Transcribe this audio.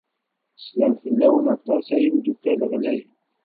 Sslam fell-awen aṭas, ay imeddukkal ɣlayen.